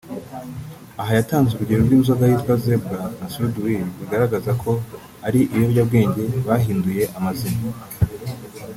Aha yatanze urugero rw’inzoga yitwa Zebra na Suruduwili bigaragara ko ari ibiyobyabwenge bahinduye amazina